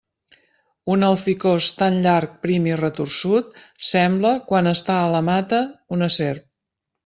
Un alficòs, tan llarg, prim i retorçut, sembla, quan està a la mata, una serp.